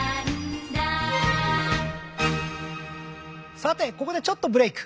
さてここでちょっとブレーク。